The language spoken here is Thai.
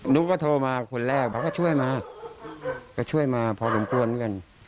หนูก็โทรมาคนแรกเพราะก็ช่วยมาก็ช่วยมาพอรุมปวนกัน